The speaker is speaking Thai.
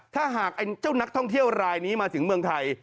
ถ้าหากไอ้เจ้านักท่องเที่ยวรายนี้มาถึงเมืองไทย